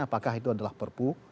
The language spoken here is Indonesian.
apakah itu adalah perpu